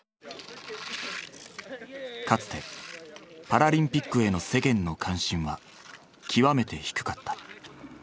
かつてパラリンピックへの世間の関心は極めて低かった。